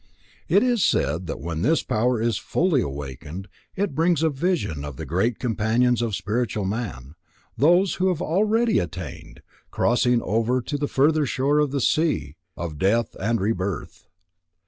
It is said that when this power is fully awakened, it brings a vision of the great Companions of the spiritual man, those who have already attained, crossing over to the further shore of the sea of death and rebirth.